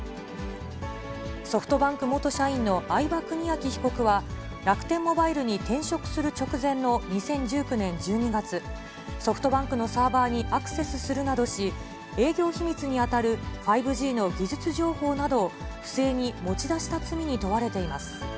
ソフトバンク元社員の合場邦章被告は、楽天モバイルに転職する直前の２０１９年１２月、ソフトバンクのサーバーにアクセスするなどし、営業秘密に当たる５Ｇの技術情報などを、不正に持ち出した罪に問われています。